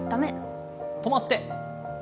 止まって！